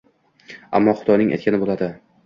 Ammo xudoning aytgani bo’ldi